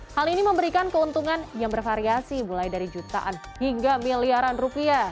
hal ini memberikan keuntungan yang bervariasi mulai dari jutaan hingga miliaran rupiah